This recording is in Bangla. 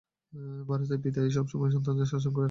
ভারতে পিতাই সব সময় সন্তানদের শাসন করেন।